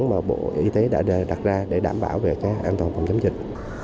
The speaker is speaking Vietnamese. mà bộ y tế đã đặt ra để đảm bảo về cái an toàn phòng chấm dịch